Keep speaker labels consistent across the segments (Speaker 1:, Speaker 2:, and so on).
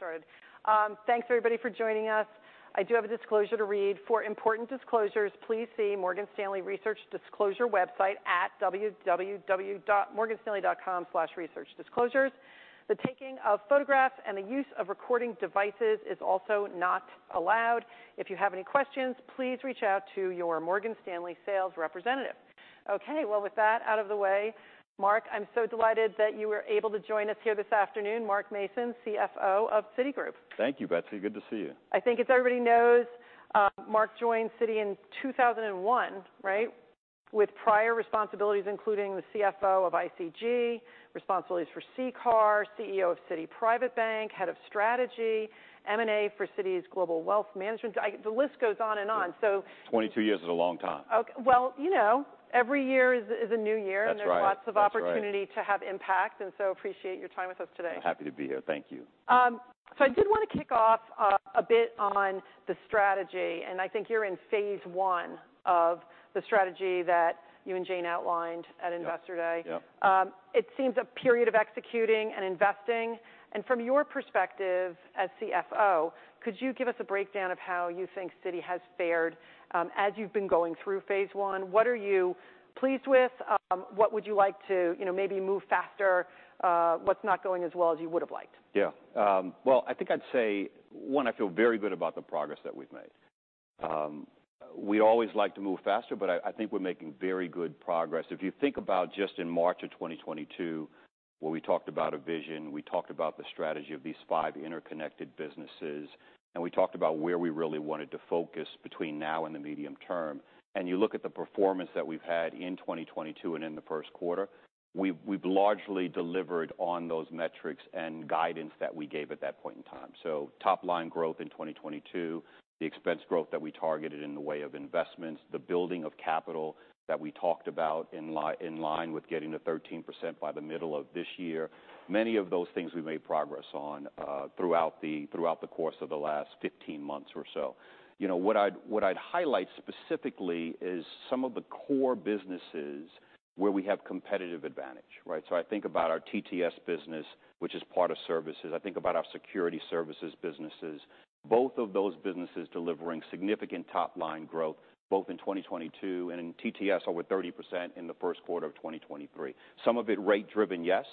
Speaker 1: Get started. Thanks, everybody, for joining us. I do have a disclosure to read. For important disclosures, please see Morgan Stanley Research Disclosure website at www.morganstanley.com/researchdisclosures. The taking of photographs and the use of recording devices is also not allowed. If you have any questions, please reach out to your Morgan Stanley sales representative. Okay, well, with that out of the way, Mark, I'm so delighted that you were able to join us here this afternoon. Mark Mason, CFO of Citigroup.
Speaker 2: Thank you, Betsy. Good to see you.
Speaker 1: I think as everybody knows, Mark joined Citi in 2001, right? With prior responsibilities, including the CFO of ICG, responsibilities for CCAR, CEO of Citi Private Bank, Head of Strategy, M&A for Citi's Global Wealth Management. The list goes on and on.
Speaker 2: 22 years is a long time.
Speaker 1: Ok, well, you know, every year is a new year.
Speaker 2: That's right.
Speaker 1: There's lots of opportunity to have impact. Appreciate your time with us today.
Speaker 2: Happy to be here. Thank you.
Speaker 1: I did want to kick off a bit on the strategy, and I think you're in phase I of the strategy that you and Jane outlined at Investor Day.
Speaker 2: Yep. Yep.
Speaker 1: It seems a period of executing and investing, and from your perspective as CFO, could you give us a breakdown of how you think Citi has fared as you've been going through phase one? What are you pleased with? What would you like to, you know, maybe move faster? What's not going as well as you would've liked?
Speaker 2: Yeah. Well, I think I'd say, one, I feel very good about the progress that we've made. We always like to move faster, but I think we're making very good progress. If you think about just in March of 2022, where we talked about a vision, we talked about the strategy of these five interconnected businesses, and we talked about where we really wanted to focus between now and the medium term, you look at the performance that we've had in 2022 and in the Q1, we've largely delivered on those metrics and guidance that we gave at that point in time. Top line growth in 2022, the expense growth that we targeted in the way of investments, the building of capital that we talked about in line with getting to 13% by the middle of this year. Many of those things we've made progress on, throughout the, throughout the course of the last 15 months or so. You know, what I'd, what I'd highlight specifically is some of the core businesses where we have competitive advantage, right? I think about our TTS business, which is part of services. I think about our Security Services businesses. Both of those businesses delivering significant top line growth, both in 2022, and in TTS, over 30% in the Q1 of 2023. Some of it rate driven, yes,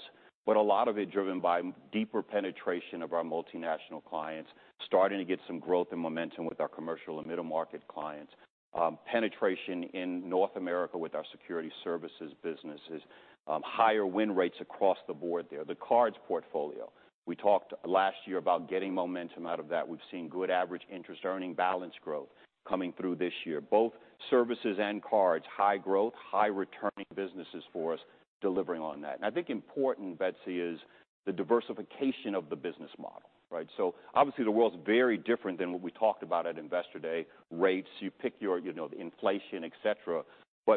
Speaker 2: but a lot of it driven by deeper penetration of our multinational clients, starting to get some growth and momentum with our commercial and middle-market clients. Penetration in North America with our Security Services businesses, higher win rates across the board there. The cards portfolio, we talked last year about getting momentum out of that. We've seen good average interest earning balance growth coming through this year. Both services and cards, high growth, high returning businesses for us, delivering on that. I think important, Betsy, is the diversification of the business model, right? Obviously, the world's very different than what we talked about at Investor Day. Rates, you pick your. You know, the inflation, et cetera.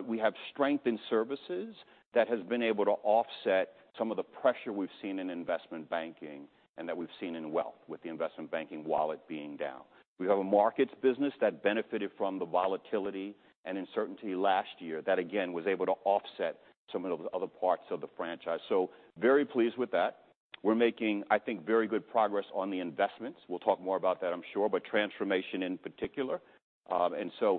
Speaker 2: We have strength in services that has been able to offset some of the pressure we've seen in investment banking and that we've seen in wealth, with the investment banking wallet being down. We have a markets business that benefited from the volatility and uncertainty last year. That, again, was able to offset some of the other parts of the franchise. Very pleased with that. We're making, I think, very good progress on the investments. We'll talk more about that, I'm sure, but transformation in particular.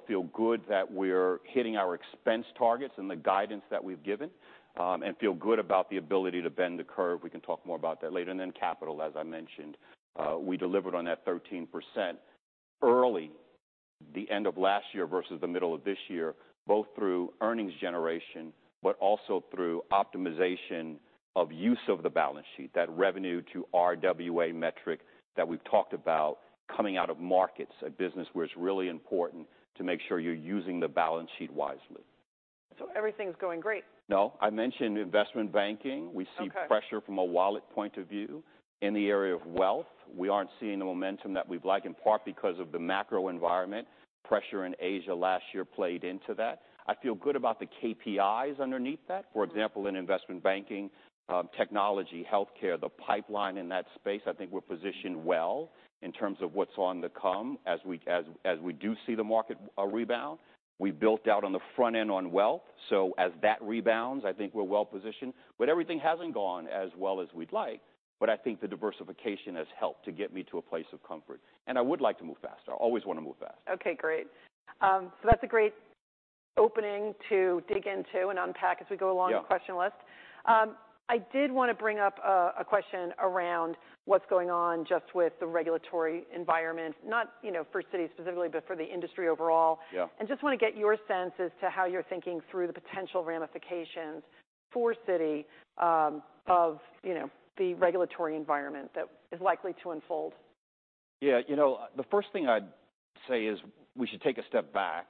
Speaker 2: Feel good that we're hitting our expense targets and the guidance that we've given, and feel good about the ability to bend the curve. We can talk more about that later. Then capital, as I mentioned. We delivered on that 13% early, the end of last year versus the middle of this year, both through earnings generation, but also through optimization of use of the balance sheet. That revenue to RWA metric that we've talked about coming out of markets, a business where it's really important to make sure you're using the balance sheet wisely.
Speaker 1: Everything's going great?
Speaker 2: No. I mentioned investment banking.
Speaker 1: Okay.
Speaker 2: We see pressure from a wallet point of view. In the area of wealth, we aren't seeing the momentum that we'd like, in part because of the macro environment. Pressure in Asia last year played into that. I feel good about the KPIs underneath that. For example, in investment banking, technology, healthcare, the pipeline in that space, I think we're positioned well in terms of what's on the come as we do see the market rebound. We built out on the front end on wealth, so as that rebounds, I think we're well positioned. Everything hasn't gone as well as we'd like, but I think the diversification has helped to get me to a place of comfort. I would like to move faster. I always want to move faster.
Speaker 1: Okay, great. That's a great opening to dig into and unpack as we go along.
Speaker 2: Yeah.
Speaker 1: The question list. I did want to bring up a question around what's going on just with the regulatory environment. Not, you know, for Citi specifically, but for the industry overall.
Speaker 2: Yeah.
Speaker 1: Just want to get your sense as to how you're thinking through the potential ramifications for Citi, of, you know, the regulatory environment that is likely to unfold.
Speaker 2: Yeah, you know, the first thing I'd say is we should take a step back,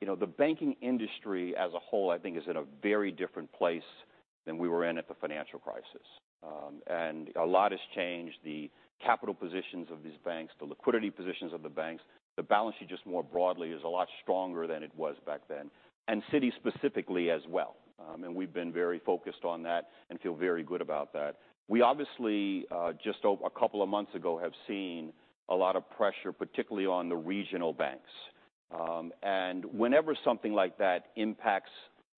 Speaker 2: you know, the banking industry as a whole, I think, is in a very different place than we were in at the financial crisis. A lot has changed. The capital positions of these banks, the liquidity positions of the banks, the balance sheet, just more broadly, is a lot stronger than it was back then, and Citi specifically as well. We've been very focused on that and feel very good about that. We obviously, just over a couple of months ago, have seen a lot of pressure, particularly on the regional banks. Whenever something like that impacts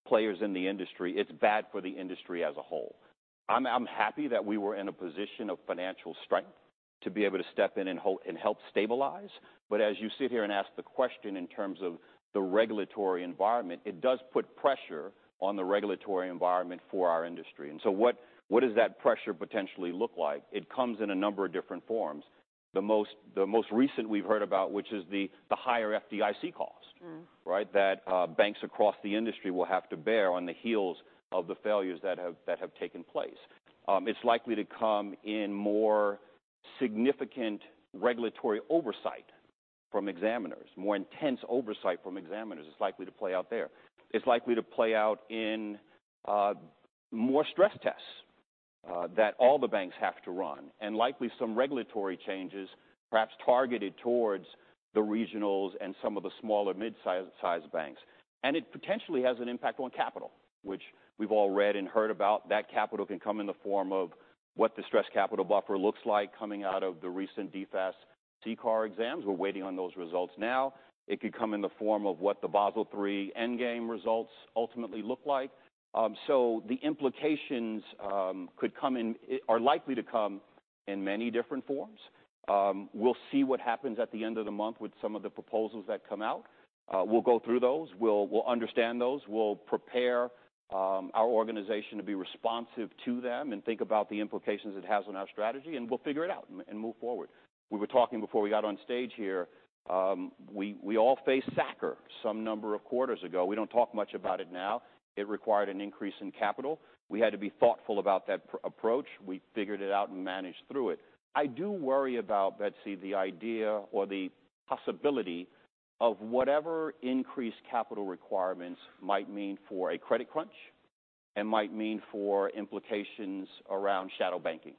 Speaker 2: players in the industry, it's bad for the industry as a whole. I'm happy that we were in a position of financial strength to be able to step in and help stabilize. As you sit here and ask the question in terms of the regulatory environment, it does put pressure on the regulatory environment for our industry. What does that pressure potentially look like? It comes in a number of different forms. The most recent we've heard about, which is the higher FDIC cost.
Speaker 1: Mm.
Speaker 2: Right? That banks across the industry will have to bear on the heels of the failures that have taken place. It's likely to come in more significant regulatory oversight from examiners, more intense oversight from examiners. It's likely to play out there. It's likely to play out in more stress tests that all the banks have to run, and likely some regulatory changes, perhaps targeted towards the regionals and some of the smaller mid-sized banks. It potentially has an impact on capital, which we've all read and heard about. That capital can come in the form of what the stress capital buffer looks like coming out of the recent DFAST CCAR exams. We're waiting on those results now. It could come in the form of what the Basel III endgame results ultimately look like. The implications are likely to come in many different forms. We'll see what happens at the end of the month with some of the proposals that come out. We'll go through those, we'll understand those, we'll prepare our organization to be responsive to them and think about the implications it has on our strategy, and we'll figure it out and move forward. We were talking before we got on stage here, we all faced SA-CCR some number of quarters ago. We don't talk much about it now. It required an increase in capital. We had to be thoughtful about that approach. We figured it out and managed through it. I do worry about, Betsy, the idea or the possibility of whatever increased capital requirements might mean for a credit crunch and might mean for implications around shadow banking.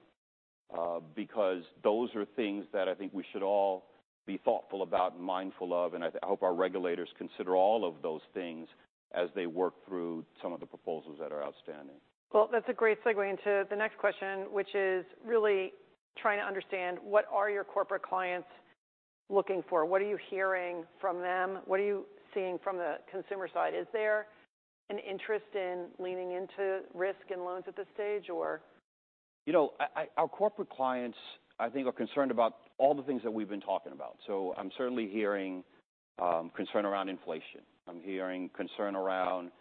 Speaker 2: Those are things that I think we should all be thoughtful about and mindful of, and I hope our regulators consider all of those things as they work through some of the proposals that are outstanding.
Speaker 1: Well, that's a great segue into the next question, which is really trying to understand, what are your corporate clients looking for? What are you hearing from them? What are you seeing from the consumer side? Is there an interest in leaning into risk and loans at this stage or?
Speaker 2: You know, Our corporate clients, I think, are concerned about all the things that we've been talking about. I'm certainly hearing concern around inflation. I'm hearing concern around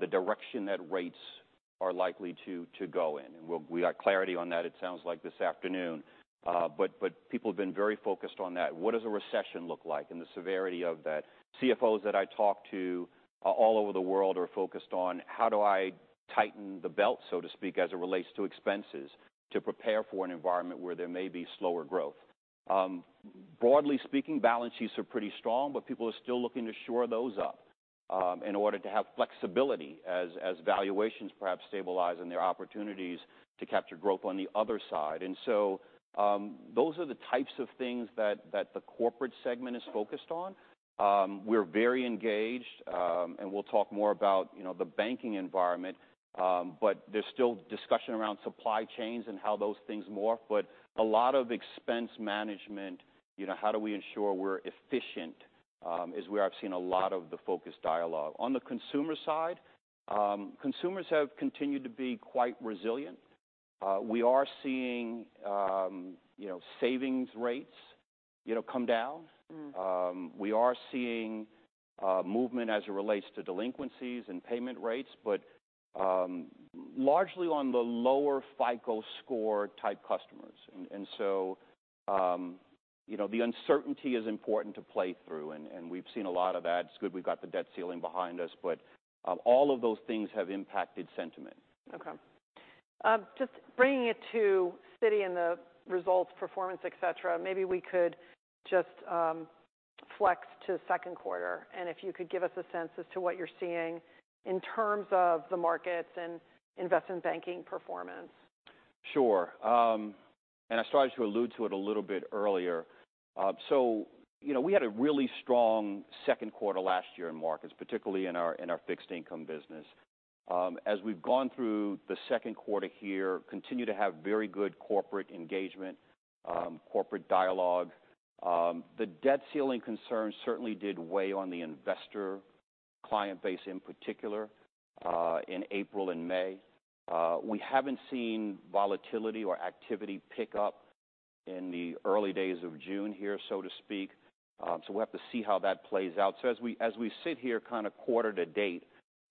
Speaker 2: the direction that rates are likely to go in, and we got clarity on that, it sounds like this afternoon. People have been very focused on that. What does a recession look like and the severity of that? CFOs that I talk to all over the world are focused on, "How do I tighten the belt?," so to speak, as it relates to expenses, to prepare for an environment where there may be slower growth. Broadly speaking, balance sheets are pretty strong, but people are still looking to shore those up in order to have flexibility as valuations perhaps stabilize and there are opportunities to capture growth on the other side. Those are the types of things that the corporate segment is focused on. We're very engaged, and we'll talk more about, you know, the banking environment, but there's still discussion around supply chains and how those things morph, but a lot of expense management, you know, how do we ensure we're efficient, is where I've seen a lot of the focused dialogue. On the consumer side, consumers have continued to be quite resilient. We are seeing, you know, savings rates, you know, come down.
Speaker 1: Mm.
Speaker 2: We are seeing movement as it relates to delinquencies and payment rates, but largely on the lower FICO score-type customers. You know, the uncertainty is important to play through, and we've seen a lot of that. It's good we've got the debt ceiling behind us, but all of those things have impacted sentiment.
Speaker 1: Okay. Just bringing it to Citi and the results, performance, et cetera, maybe we could just flex to second quarter, and if you could give us a sense as to what you're seeing in terms of the markets and investment banking performance.
Speaker 2: Sure. I started to allude to it a little bit earlier. You know, we had a really strong second quarter last year in markets, particularly in our, in our fixed income business. As we've gone through the second quarter here, continue to have very good corporate engagement, corporate dialogue. The debt ceiling concerns certainly did weigh on the investor client base, in particular, in April and May. We haven't seen volatility or activity pick up in the early days of June here, so to speak, we'll have to see how that plays out. As we sit here kind of quarter to date,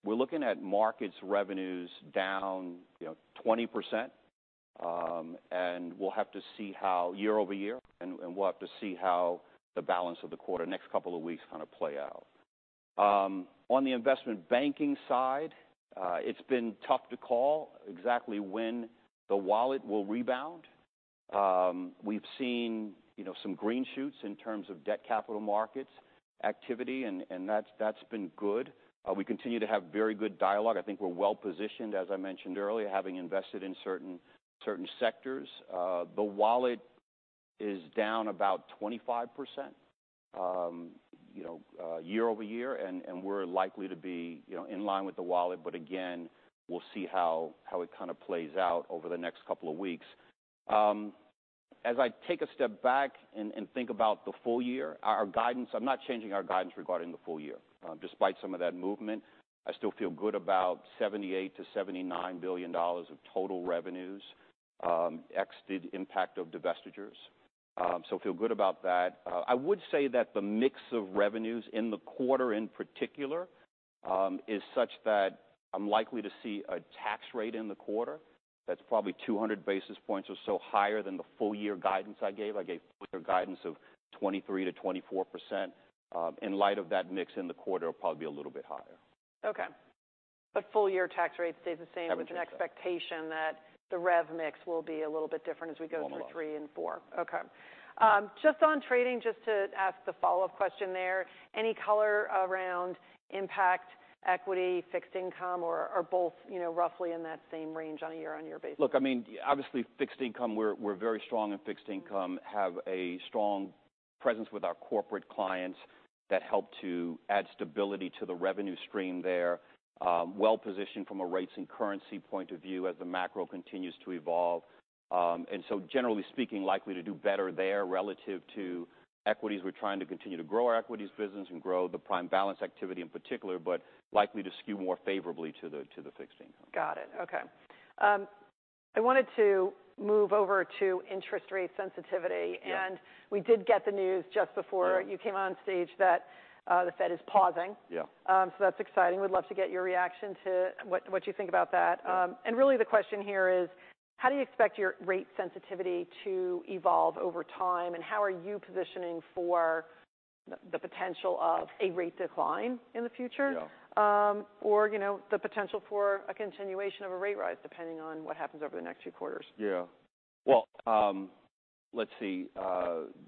Speaker 2: we're looking at markets revenues down, you know, 20%, and we'll have to see how year-over-year, and we'll have to see how the balance of the quarter, next couple of weeks kind of play out. On the investment banking side, it's been tough to call exactly when the wallet will rebound. We've seen, you know, some green shoots in terms of debt capital markets activity, and that's been good. We continue to have very good dialogue. I think we're well-positioned, as I mentioned earlier, having invested in certain sectors. The wallet is down about 25%, you know, year-over-year, and we're likely to be, you know, in line with the wallet, but again, we'll see how it kind of plays out over the next couple of weeks. As I take a step back and think about the full year, our guidance. I'm not changing our guidance regarding the full year. Despite some of that movement, I still feel good about $78 billion-$79 billion of total revenues, ex the impact of divestitures. Feel good about that. I would say that the mix of revenues in the quarter, in particular, is such that I'm likely to see a tax rate in the quarter that's probably 200 basis points or so higher than the full year guidance I gave. I gave further guidance of 23%-24%. In light of that mix in the quarter, it'll probably be a little bit higher.
Speaker 1: Okay. Full year tax rate stays the same.
Speaker 2: I believe so.
Speaker 1: With an expectation that the rev mix will be a little bit different as we go through three and four? Okay. just on trading, just to ask the follow-up question there. Any color around impact equity, fixed income, or both, you know, roughly in that same range on a year-on-year basis?
Speaker 2: Look, I mean, obviously, fixed income, we're very strong in fixed income. Have a strong presence with our corporate clients that help to add stability to the revenue stream there. Well-positioned from a rates and currency point of view as the macro continues to evolve. Generally speaking, likely to do better there relative to equities. We're trying to continue to grow our equities business and grow the prime balance activity in particular. Likely to skew more favorably to the fixed income.
Speaker 1: Got it. Okay. I wanted to move over to interest rate sensitivity.
Speaker 2: Yeah.
Speaker 1: We did get the news just before you came on stage, that, the Fed is pausing.
Speaker 2: Yeah.
Speaker 1: That's exciting. We'd love to get your reaction to what you think about that. Really, the question here is, How do you expect your rate sensitivity to evolve over time, and how are you positioning for the potential of a rate decline in the future?
Speaker 2: Yeah.
Speaker 1: You know, the potential for a continuation of a rate rise, depending on what happens over the next few quarters.
Speaker 2: Yeah. Well, let's see.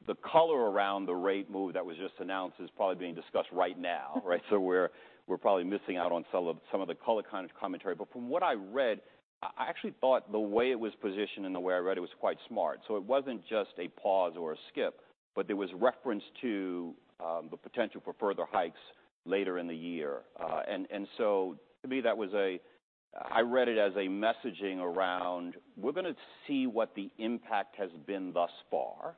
Speaker 2: The color around the rate move that was just announced is probably being discussed right now, right? We're probably missing out on some of the color kind of commentary, but from what I read, I actually thought the way it was positioned and the way I read it was quite smart. It wasn't just a pause or a skip, but there was reference to the potential for further hikes later in the year. And so to me, that was a messaging around, "We're going to see what the impact has been thus far,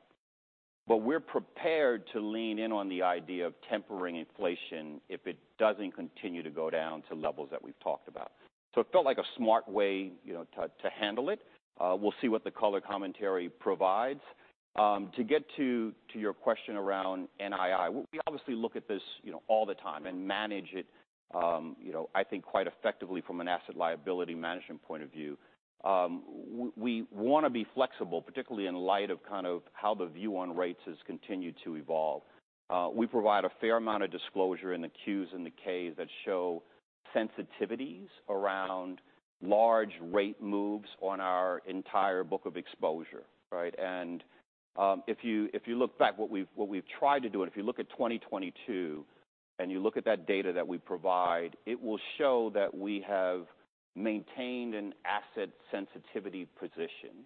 Speaker 2: but we're prepared to lean in on the idea of tempering inflation if it doesn't continue to go down to levels that we've talked about." It felt like a smart way, you know, to handle it. We'll see what the color commentary provides. To get to your question around NII, we obviously look at this, you know, all the time and manage it, you know, I think quite effectively from an asset liability management point of view. We want to be flexible, particularly in light of kind of how the view on rates has continued to evolve. We provide a fair amount of disclosure in the Qs and the Ks that show sensitivities around large rate moves on our entire book of exposure, right? If you look back, what we've tried to do, and if you look at 2022, and you look at that data that we provide, it will show that we have maintained an asset sensitivity position,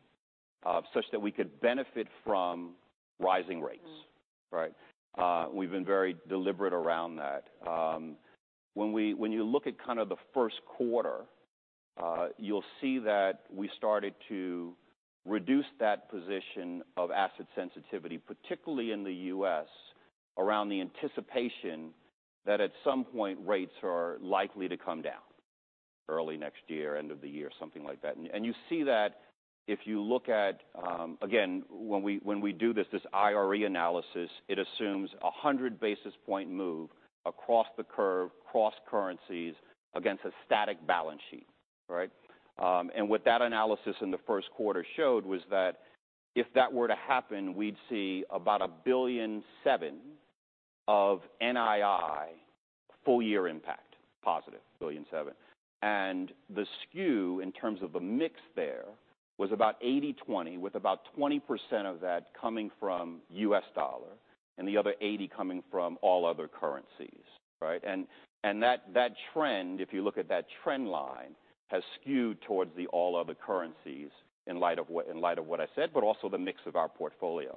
Speaker 2: such that we could benefit from rising rates.
Speaker 1: Mm.
Speaker 2: Right? We've been very deliberate around that. When you look at kind of the Q1, you'll see that we started to reduce that position of asset sensitivity, particularly in the US, around the anticipation that at some point, rates are likely to come down early next year, end of the year, something like that. You see that if you look at. Again, when we do this IRE analysis, it assumes a 100-basis point move across the curve, across currencies, against a static balance sheet, right? What that analysis in the Q1 showed was that if that were to happen, we'd see about a $1.7 billion of NII full-year impact. Positive, $1.7 billion. The skew, in terms of the mix there, was about 80-20, with about 20% of that coming from US. Dollar, the other 80 coming from all other currencies, right? That trend, if you look at that trend line, has skewed towards the all other currencies in light of what, in light of what I said, but also the mix of our portfolio.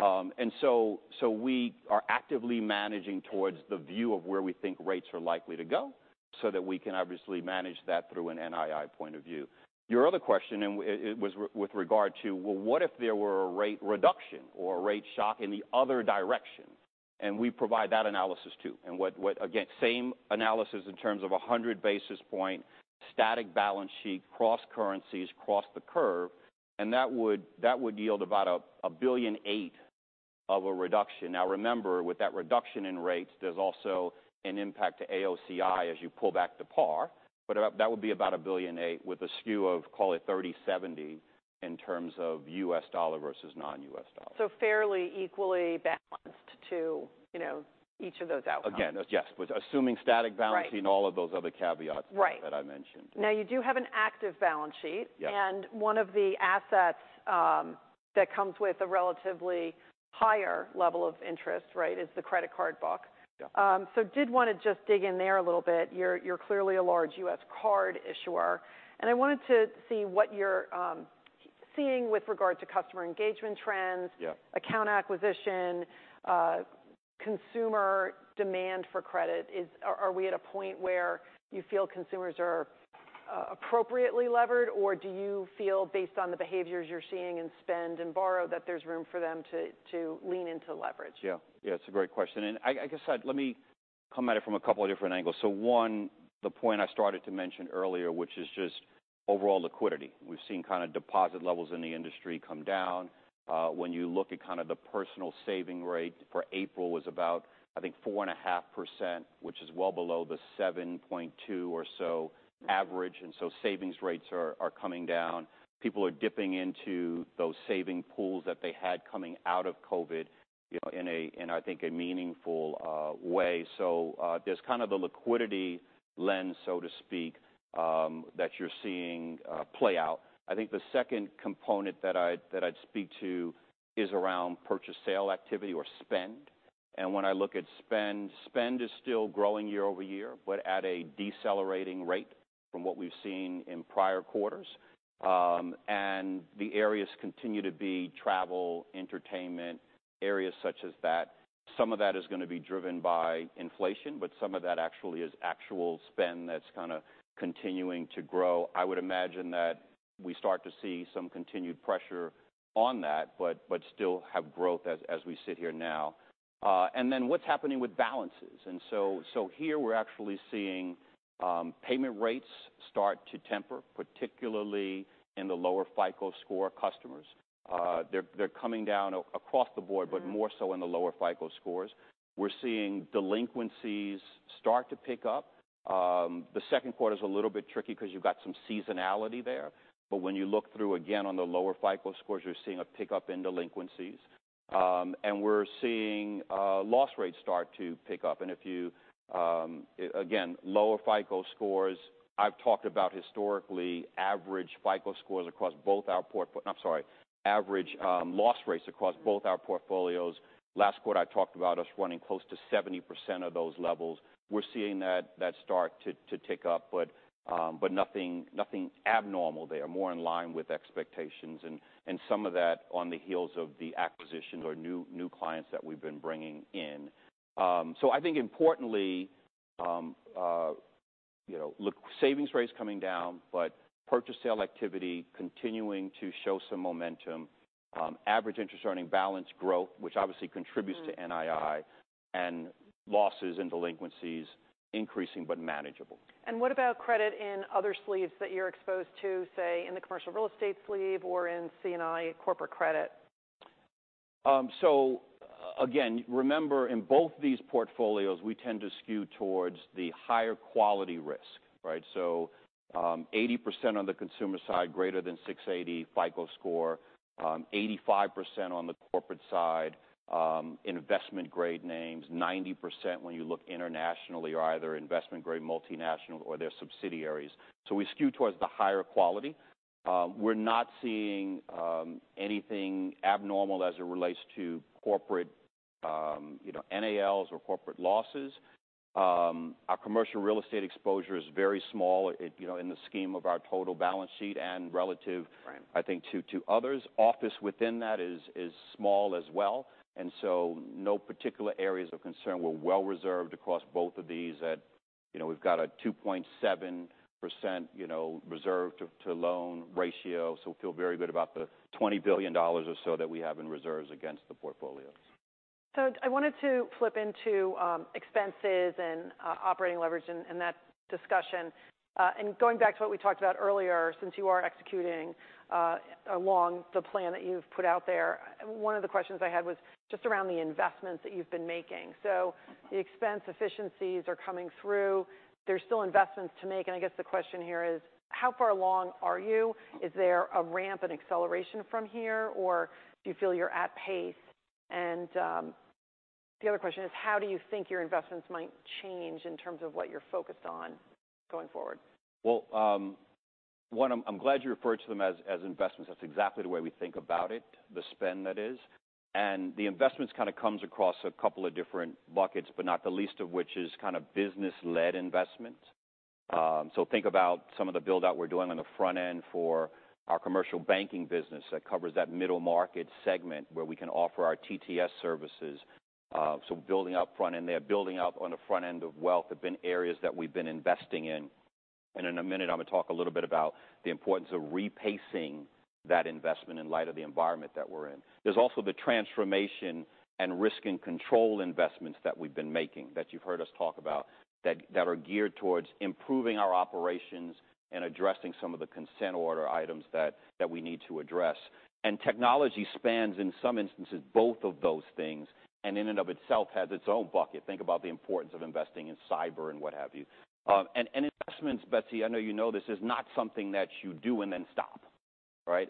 Speaker 2: So we are actively managing towards the view of where we think rates are likely to go so that we can obviously manage that through an NII point of view. Your other question, with regard to, well, what if there were a rate reduction or a rate shock in the other direction? We provide that analysis, too. What, again, same analysis in terms of a 100-basis point static balance sheet, cross currencies, across the curve, and that would yield about a $1.8 billion of a reduction. Remember, with that reduction in rates, there's also an impact to AOCI as you pull back to par, but that would be about $1.8 billion with a skew of, call it, 30/70 in terms of US dollar versus non-US dollar.
Speaker 1: Fairly equally balanced to, you know, each of those outcomes.
Speaker 2: Yes, with assuming static balancing.
Speaker 1: Right.
Speaker 2: All of those other caveats.
Speaker 1: Right.
Speaker 2: that I mentioned.
Speaker 1: You do have an active balance sheet.
Speaker 2: Yeah.
Speaker 1: One of the assets, that comes with a relatively higher level of interest, right, is the credit card book.
Speaker 2: Yeah.
Speaker 1: Did want to just dig in there a little bit. You're clearly a large US card issuer, and I wanted to see what you're seeing with regard to customer engagement trends.
Speaker 2: Yeah.
Speaker 1: Account acquisition, consumer demand for credit. Are we at a point where you feel consumers appropriately levered, or do you feel, based on the behaviors you're seeing in spend and borrow, that there's room for them to lean into leverage?
Speaker 2: Yeah. It's a great question, and I guess I'd Let me come at it from a couple of different angles. One, the point I started to mention earlier, which is just overall liquidity. We've seen kind of deposit levels in the industry come down. When you look at kind of the personal saving rate for April was about, I think, 4.5%, which is well below the 7.2% or so average. Savings rates are coming down. People are dipping into those saving pools that they had coming out of COVID, you know, in a meaningful way. There's kind of the liquidity lens, so to speak, that you're seeing play out. I think the second component that I'd speak to is around purchase, sale activity or spend. When I look at spend is still growing year-over-year, but at a decelerating rate from what we've seen in prior quarters. The areas continue to be travel, entertainment, areas such as that. Some of that is going to be driven by inflation, but some of that actually is actual spend that's kind of continuing to grow. I would imagine that we start to see some continued pressure on that, but still have growth as we sit here now. What's happening with balances? Here we're actually seeing payment rates start to temper, particularly in the lower FICO score customers. They're coming down across the board. More so in the lower FICO scores. We're seeing delinquencies start to pick up. The second quarter is a little bit tricky because you've got some seasonality there. When you look through again on the lower FICO scores, you're seeing a pickup in delinquencies. We're seeing loss rates start to pick up. If you again, lower FICO scores. I've talked about historically, average FICO scores across both our average loss rates across both our portfolios. Last quarter, I talked about us running close to 70% of those levels. We're seeing that start to tick up, but nothing abnormal there. More in line with expectations and some of that on the heels of the acquisitions or new clients that we've been bringing in. I think importantly, you know, look, savings rates coming down, but purchase sale activity continuing to show some momentum. Average interest earning balance growth, which obviously contributes to NII and losses and delinquencies increasing, but manageable.
Speaker 1: What about credit in other sleeves that you're exposed to, say, in the commercial real estate sleeve or in C&I corporate credit?
Speaker 2: Again, remember, in both these portfolios, we tend to skew towards the higher quality risk, right? 80% on the consumer side, greater than 680 FICO score. 85% on the corporate side, investment-grade names, 90% when you look internationally, are either investment-grade multinational or their subsidiaries. We skew towards the higher quality. We're not seeing anything abnormal as it relates to corporate, you know, NPLs or corporate losses. Our commercial real estate exposure is very small, you know, in the scheme of our total balance sheet and relative.
Speaker 1: Right.
Speaker 2: I think to others. Office within that is small as well, no particular areas of concern. We're well reserved across both of these at, you know, we've got a 2.7%, you know, reserve to loan ratio. Feel very good about the $20 billion or so that we have in reserves against the portfolios.
Speaker 1: I wanted to flip into expenses and operating leverage and that discussion. Going back to what we talked about earlier, since you are executing along the plan that you've put out there, one of the questions I had was just around the investments that you've been making. The expense efficiencies are coming through. There's still investments to make, and I guess the question here is, How far along are you? Is there a ramp, an acceleration from here, or do you feel you're at pace? The other question is, How do you think your investments might change in terms of what you're focused on going forward?
Speaker 2: Well, one, I'm glad you referred to them as investments. That's exactly the way we think about it, the spend that is. The investments kind of comes across a couple of different buckets, but not the least of which is kind of business-led investments. Think about some of the build-out we're doing on the front end for our commercial banking business. That covers that middle market segment, where we can offer our TTS services. Building out front, and they're building out on the front end of wealth have been areas that we've been investing in. In a minute, I'm going to talk a little bit about the importance of repacing that investment in light of the environment that we're in. There's also the transformation and risk and control investments that we've been making, that you've heard us talk about, that are geared towards improving our operations and addressing some of the consent order items that we need to address. Technology spans, in some instances, both of those things, and in and of itself, has its own bucket. Think about the importance of investing in cyber and what have you. Investments, Betsy, I know you know this, is not something that you do and then stop, right?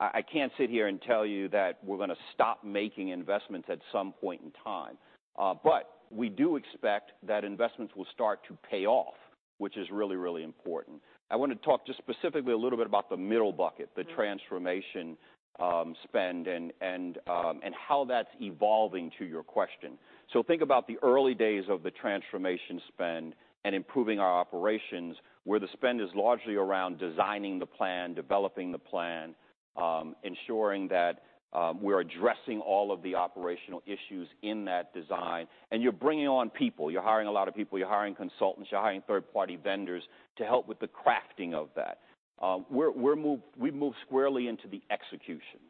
Speaker 2: I can't sit here and tell you that we're going to stop making investments at some point in time. We do expect that investments will start to pay off, which is really important. I want to talk just specifically a little bit about the middle bucket. The transformation spend and how that's evolving to your question. Think about the early days of the transformation spend and improving our operations, where the spend is largely around designing the plan, developing the plan, ensuring that we're addressing all of the operational issues in that design. You're bringing on people, you're hiring a lot of people, you're hiring consultants, you're hiring third-party vendors to help with the crafting of that. We've moved squarely into the execution.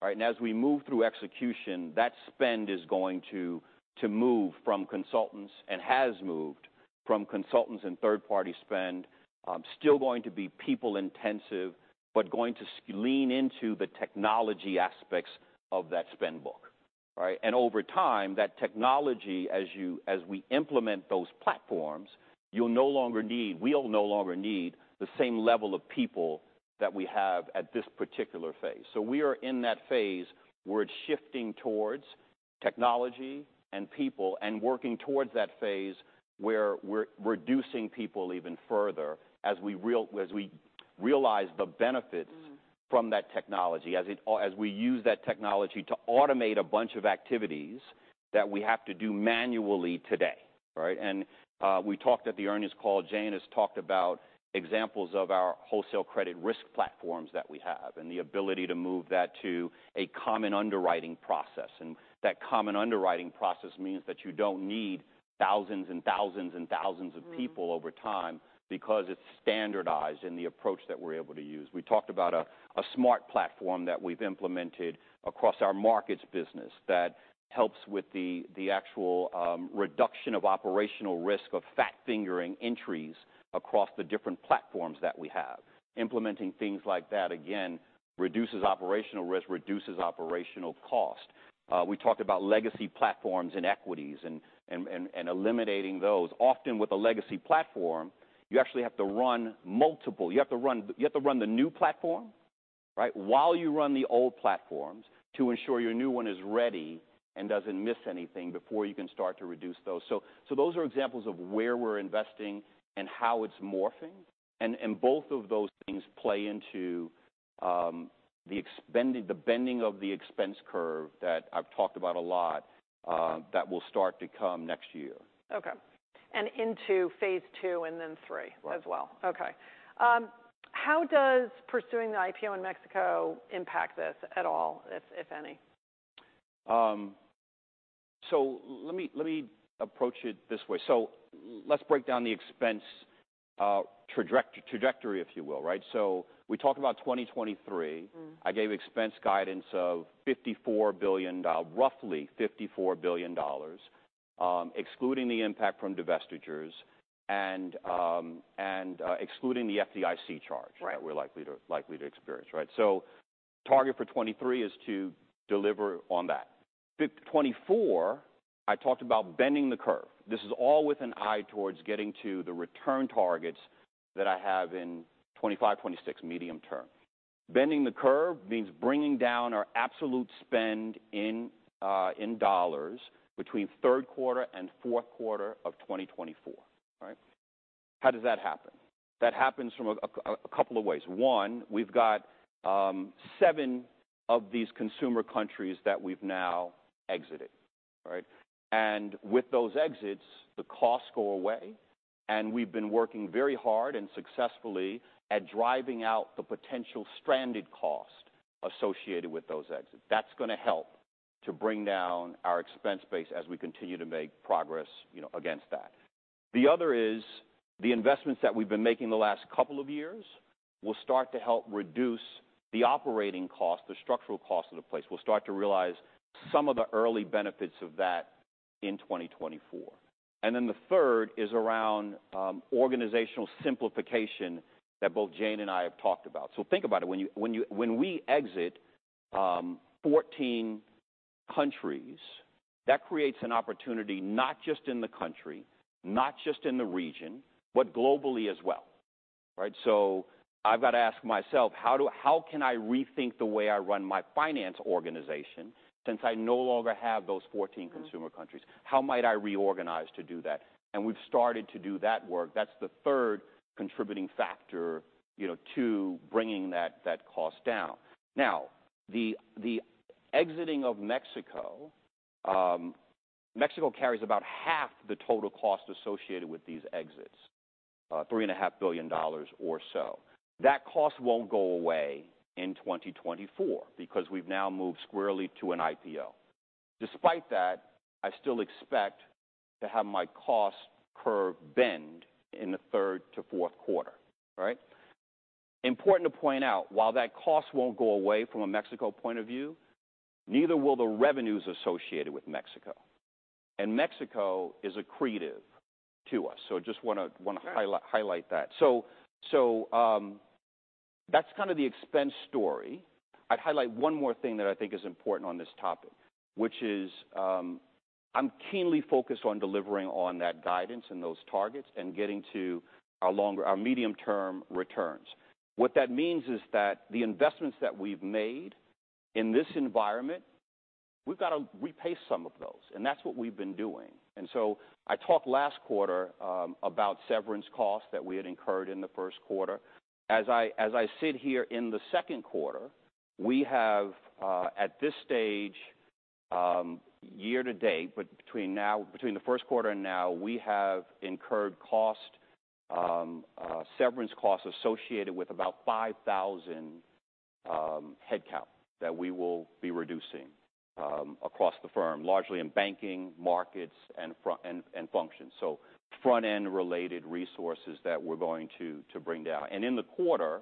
Speaker 2: All right, as we move through execution, that spend is going to move from consultants and has moved from consultants and third-party spend. Still going to be people-intensive, but going to lean into the technology aspects of that spend book. Right? Over time, that technology, as we implement those platforms, we'll no longer need the same level of people that we have at this particular phase. We are in that phase where it's shifting towards technology and people and working towards that phase where we're reducing people even further as we realize the benefits.
Speaker 1: Mm.
Speaker 2: From that technology, as we use that technology to automate a bunch of activities that we have to do manually today, right? We talked at the earnings call, Jane has talked about examples of our wholesale credit risk platforms that we have, and the ability to move that to a common underwriting process. That common underwriting process means that you don't need thousands of people.
Speaker 1: Mm.
Speaker 2: over time because it's standardized in the approach that we're able to use. We talked about a SMaRT platform that we've implemented across our Markets business that helps with the actual reduction of operational risk of fat-fingering entries across the different platforms that we have. Implementing things like that, again, reduces operational risk, reduces operational cost. We talked about legacy platforms and equities and eliminating those. Often with a legacy platform, you actually have to run the new platform, right? While you run the old platforms to ensure your new one is ready and doesn't miss anything before you can start to reduce those. Those are examples of where we're investing and how it's morphing, and both of those things play into the bending of the expense curve that I've talked about a lot, that will start to come next year.
Speaker 1: Okay. Into phase II and then III.
Speaker 2: Right.
Speaker 1: As well. Okay. How does pursuing the IPO in Mexico impact this at all, if any?
Speaker 2: Let me approach it this way. Let's break down the expense trajectory, if you will. Right? We talked about 2023. I gave expense guidance of roughly $54 billion, excluding the impact from divestitures and excluding the FDIC charge.
Speaker 1: Right.
Speaker 2: That we're likely to experience, right? The target for 2023 is to deliver on that. 2024, I talked about bending the curve. This is all with an eye towards getting to the return targets that I have in 2025, 2026, medium term. Bending the curve means bringing down our absolute spend in dollars between Q3 and Q4 of 2024. All right? How does that happen? That happens from a couple of ways. One, we've got seven of these consumer countries that we've now exited, right? With those exits, the costs go away, and we've been working very hard and successfully at driving out the potential stranded cost associated with those exits. That's going to help to bring down our expense base as we continue to make progress, you know, against that. The other is the investments that we've been making the last couple of years will start to help reduce the operating cost, the structural cost of the place. We'll start to realize some of the early benefits of that in 2024. The third is around organizational simplification that both Jane and I have talked about. Think about it. When we exit 14 countries, that creates an opportunity, not just in the country, not just in the region, but globally as well. Right? I've got to ask myself, how can I rethink the way I run my finance organization since I no longer have those 14 consumer countries? How might I reorganize to do that? We've started to do that work. That's the third contributing factor, you know, to bringing that cost down. The exiting of Mexico carries about half the total cost associated with these exits. Three and a half billion dollars or so. That cost won't go away in 2024 because we've now moved squarely to an IPO. Despite that, I still expect to have my cost curve bend in the third to Q4. All right? Important to point out, while that cost won't go away from a Mexico point of view, neither will the revenues associated with Mexico, and Mexico is accretive to us. I just want to.
Speaker 1: Right.
Speaker 2: Want to highlight that. That's kind of the expense story. I'd highlight one more thing that I think is important on this topic, which is, I'm keenly focused on delivering on that guidance and those targets and getting to our medium-term returns. What that means is that the investments that we've made in this environment, we've got to repay some of those, and that's what we've been doing. I talked last quarter, about severance costs that we had incurred in the Q1. As I sit here in the second quarter, we have, at this stage, year to date, but between the Q1 and now, we have incurred cost, severance costs associated with about 5,000 headcount that we will be reducing. Across the firm, largely in banking, markets, and functions. Front-end related resources that we're going to bring down. In the quarter,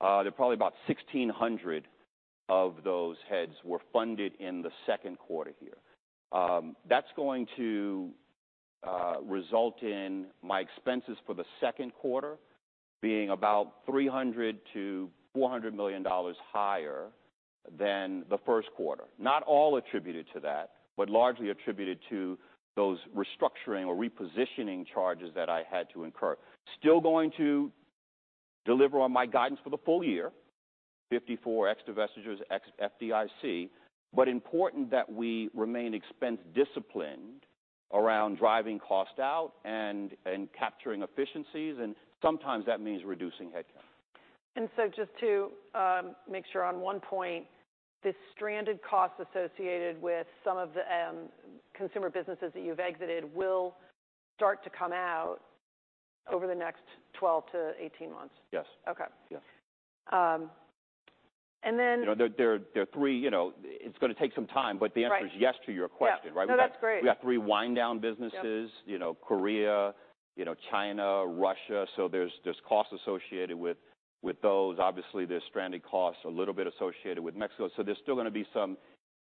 Speaker 2: there are probably about 1,600 of those heads were funded in the second quarter here. That's going to result in my expenses for the second quarter being about $300 million-$400 million higher than the Q1. Not all attributed to that, but largely attributed to those restructuring or repositioning charges that I had to incur. Still going to deliver on my guidance for the full year, $54 ex-divestitures, ex-FDIC. Important that we remain expense disciplined around driving cost out and capturing efficiencies, and sometimes that means reducing headcount.
Speaker 1: Just to make sure on one point, the stranded costs associated with some of the consumer businesses that you've exited will start to come out over the next 12-18 months?
Speaker 2: Yes.
Speaker 1: Okay.
Speaker 2: Yes.
Speaker 1: Um, and then.
Speaker 2: You know, there are three, you know, it's going to take some time.
Speaker 1: Right.
Speaker 2: The answer is yes to your question, right?
Speaker 1: Yeah. No, that's great.
Speaker 2: We have three wind-down businesses.
Speaker 1: Yep.
Speaker 2: You know, Korea, you know, China, Russia. There's costs associated with those. Obviously, there's stranded costs, a little bit associated with Mexico. There's still going to be some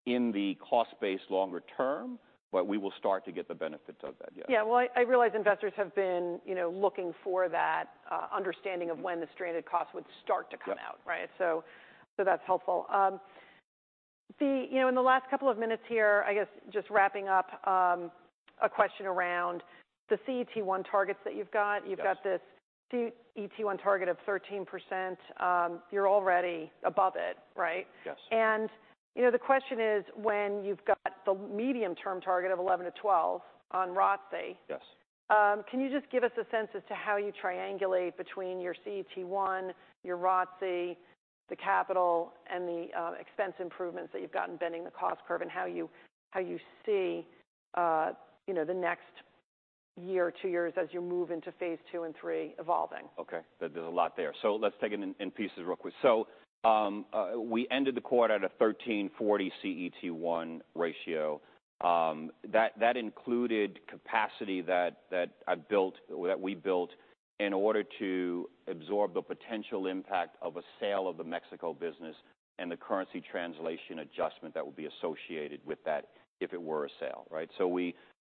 Speaker 2: in the cost base longer term. We will start to get the benefits of that, yes.
Speaker 1: Yeah. Well, I realize investors have been, you know, looking for that of when the stranded costs would start to come out. Right. That's helpful. The, you know, in the last couple of minutes here, I guess just wrapping up, a question around the CET1 targets that you've got.
Speaker 2: Yes.
Speaker 1: You've got this CET1 target of 13%. You're already above it, right?
Speaker 2: Yes.
Speaker 1: You know, the question is, when you've got the medium-term target of 11%-12% on ROTCE.
Speaker 2: Yes.
Speaker 1: Can you just give us a sense as to how you triangulate between your CET1, your ROTCE, the capital, and the expense improvements that you've got in bending the cost curve, and how you, how you see the next year or two years as you move into phase two and three evolving?
Speaker 2: Okay. There's a lot there, let's take it in pieces real quick. We ended the quarter at a 13.40 CET1 ratio. That included capacity that I've built, that we built in order to absorb the potential impact of a sale of the Mexico business and the currency translation adjustment that would be associated with that if it were a sale, right?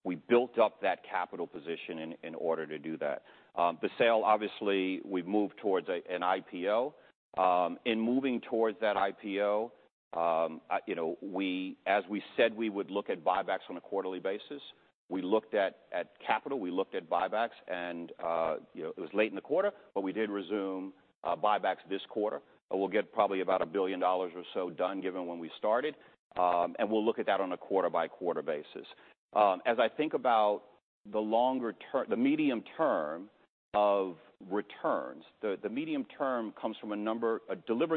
Speaker 2: We built up that capital position in order to do that. The sale, obviously, we've moved towards an IPO. In moving towards that IPO, you know, as we said, we would look at buybacks on a quarterly basis. We looked at capital, we looked at buybacks, and, you know, it was late in the quarter, but we did resume buybacks this quarter. We'll get probably about $1 billion or so done, given when we started. We'll look at that on a quarter-by-quarter basis. As I think about the medium term of returns, delivering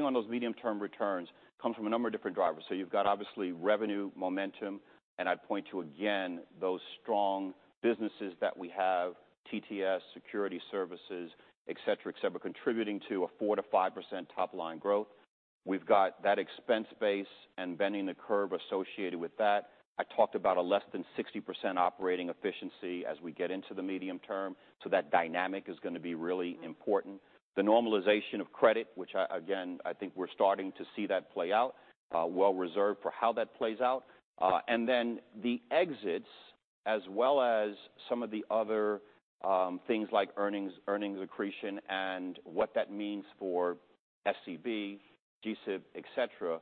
Speaker 2: on those medium-term returns comes from a number of different drivers. You've got, obviously, revenue, momentum, and I'd point to, again, those strong businesses that we have, TTS, Security Services, et cetera, et cetera, contributing to a 4%-5% top-line growth. We've got that expense base and bending the curve associated with that. I talked about a less than 60% operating efficiency as we get into the medium term, that dynamic is going to be really important. The normalization of credit, which I, again, I think we're starting to see that play out, well reserved for how that plays out. The exits, as well as some of the other things like earnings accretion, and what that means for SCB, GSIB, et cetera,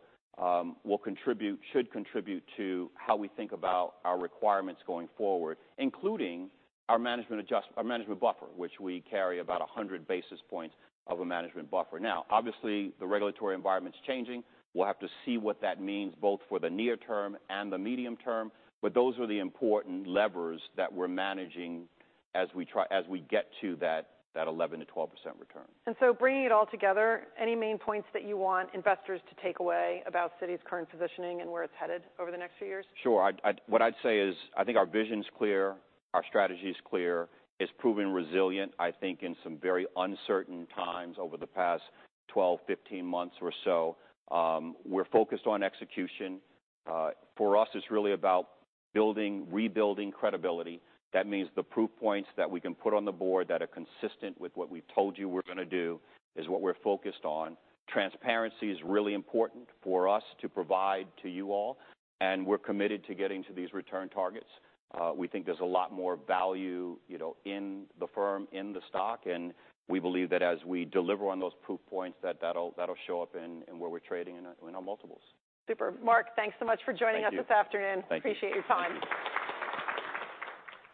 Speaker 2: will contribute, should contribute to how we think about our requirements going forward, including our management buffer, which we carry about 100 basis points of a management buffer. Obviously, the regulatory environment's changing. We'll have to see what that means, both for the near term and the medium term, but those are the important levers that we're managing as we get to that 11% to 12% return.
Speaker 1: Bringing it all together, any main points that you want investors to take away about Citi's current positioning and where it's headed over the next few years?
Speaker 2: Sure. What I'd say is, I think our vision's clear, our strategy is clear. It's proven resilient, I think, in some very uncertain times over the past 12, 15 months or so. We're focused on execution. For us, it's really about building, rebuilding credibility. That means the proof points that we can put on the board that are consistent with what we've told you we're going to do is what we're focused on. Transparency is really important for us to provide to you all, and we're committed to getting to these return targets. We think there's a lot more value, you know, in the firm, in the stock, and we believe that as we deliver on those proof points, that that'll show up in where we're trading in our multiples.
Speaker 1: Super. Mark, thanks so much for joining us this afternoon.
Speaker 2: Thank you.
Speaker 1: Appreciate your time.